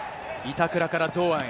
板倉から堂安へ。